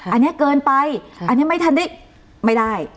อันนี้เกินไปอันนี้ไม่ทันได้ไม่ได้